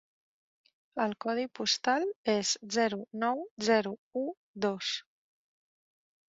El codi postal és zero nou zero u dos.